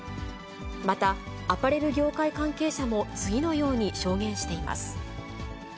また、アパレル業界関係者も次のように証言しています。